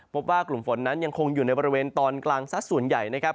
พบว่ากลุ่มฝนนั้นยังคงอยู่ในบริเวณตอนกลางซะส่วนใหญ่นะครับ